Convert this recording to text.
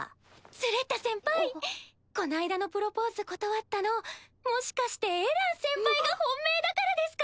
スレッタ先輩こないだのプロポーズ断ったのもしかしてエラン先輩が本命だからですか？